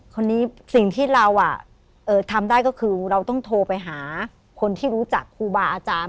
สิ่งที่เราทำได้ก็คือเราต้องโทรไปหาคนที่รู้จักครูบาอาจารย์